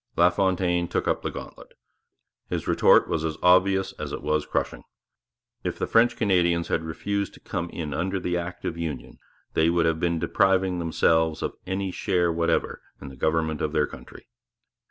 LaFontaine took up the gauntlet. His retort was as obvious as it was crushing. If the French Canadians had refused to come in under the Act of Union, they would have been depriving themselves of any share whatever in the government of their country.